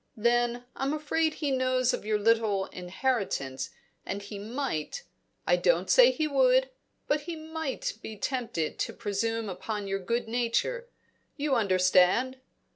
Then, I'm afraid he knows of your little inheritance, and he might I don't say he would but he might be tempted to presume upon your good nature. You understand?"